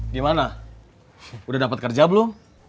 gimana udah dapat kerja belum